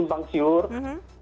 karena banyak simpang siur